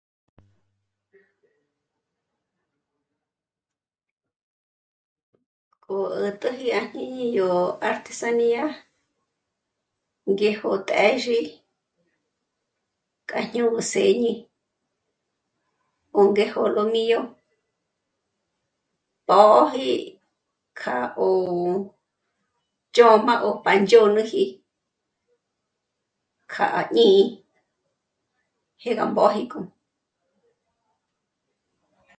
Go 'ä̀t'äji àjñǐñi yó artesania ngéjo t'ë̌zhi kájyo sèñi òngéjo lómîyo p'ö̌ji kja o ch'óma o pa nzhónoji kja jñǐñi jéga mbójiko